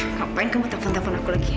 ngapain kamu telepon telepon aku lagi ya